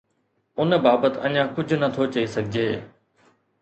ان بابت اڃا ڪجهه نٿو چئي سگهجي.